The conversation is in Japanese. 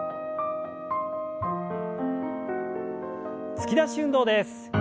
突き出し運動です。